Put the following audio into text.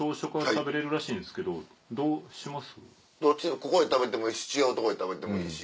ここで食べてもええし違うとこで食べてもいいし。